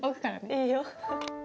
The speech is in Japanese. いいよ。